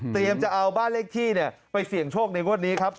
เตรียมจะเอาบ้านเลขที่ไปเสี่ยงโชคในวันนี้ครับ